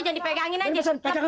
jangan dipegangin aja